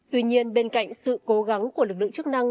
tuy nhiên bên cạnh sự cố gắng của lực lượng chức năng